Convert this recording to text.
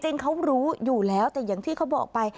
จริงเขารู้อยู่แล้วแต่อย่างที่เขาบอกไป